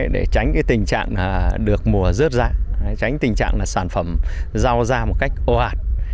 để tránh tình trạng được mùa rớt ra tránh tình trạng sản phẩm rau ra một cách ô hạt